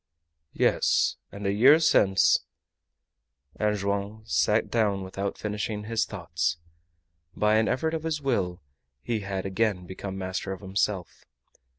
"Yes; and a year since " And Joam sat down without finishing his thoughts. By an effort of his will he had again become master of himself.